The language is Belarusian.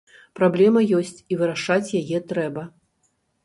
Праблема ёсць, і вырашаць яе трэба.